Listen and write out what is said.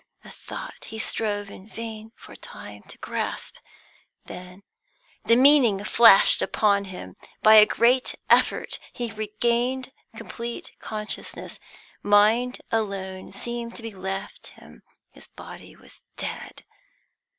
A thought he strove in vain for a time to grasp. The meaning flashed upon him. By a great effort he regained complete consciousness; mind alone seemed to be left to him, his body was dead.